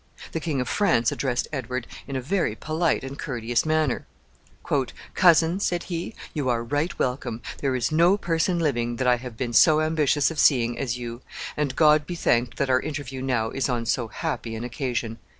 The King of France addressed Edward in a very polite and courteous manner. "Cousin," said he, "you are right welcome. There is no person living that I have been so ambitious of seeing as you, and God be thanked that our interview now is on so happy an occasion."